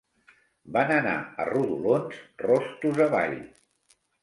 Van anar a rodolons rostos avall.